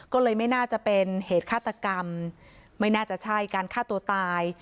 ก็เลยไม่น่าจะเป็นเหตุฆาตกรรมไม่น่าจะใช่การฆ่าตัวตาย